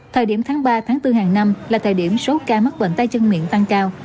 thời điểm tháng ba bốn hàng năm là thời điểm số ca mắc bệnh tay chân miệng tăng cao